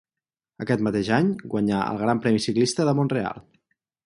Aquest mateix any guanyà el Gran Premi Ciclista de Mont-real.